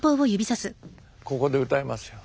ここで歌いますよ。